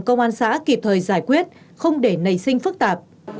công an xã kịp thời giải quyết không để nảy sinh phức tạp